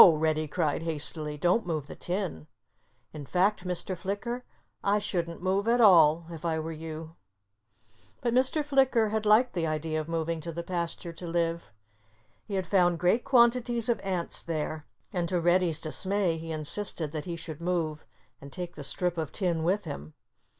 Reddy cried hastily. "Don't move the tin! In fact, Mr. Flicker, I shouldn't move at all, if I were you." But Mr. Flicker had liked the plan of moving to the pasture to live. He had found great quantities of ants there. And to Reddy's dismay he insisted that he should move and take the strip of tin with him.